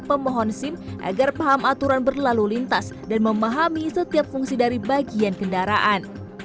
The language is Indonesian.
pemohon sim agar paham aturan berlalu lintas dan memahami setiap fungsi dari bagian kendaraan